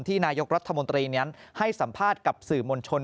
นายกรัฐมนตรีนั้นให้สัมภาษณ์กับสื่อมวลชน